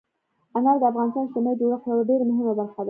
انار د افغانستان د اجتماعي جوړښت یوه ډېره مهمه برخه ده.